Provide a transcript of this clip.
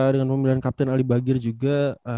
dengan pemilihan captain ali bagir juga